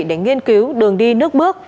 để nghiên cứu đường đi nước bước